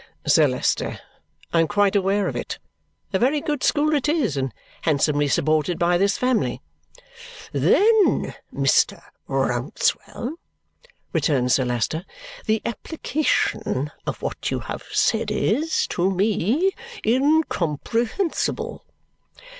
"Sir Leicester, I am quite aware of it. A very good school it is, and handsomely supported by this family." "Then, Mr. Rouncewell," returns Sir Leicester, "the application of what you have said is, to me, incomprehensible."